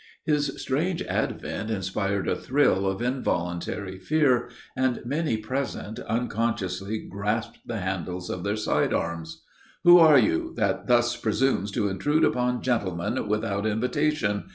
His strange advent inspired a thrill of involuntary fear, and many present unconsciously grasped the handles of their side arms. "Who are you, that thus presumes to intrude among gentlemen, without invitation?"